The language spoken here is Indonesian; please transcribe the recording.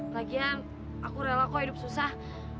lagian aku rela kok hidup susah